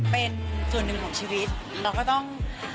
เป็นส่วนหนึ่งของชีวิตเราก็ต้อง